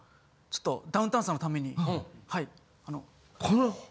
ちょっとダウンタウンさんのために。